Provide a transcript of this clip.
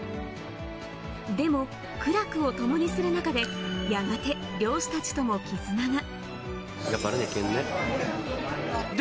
でも苦楽を共にする中で、やがて漁師たちとも絆が。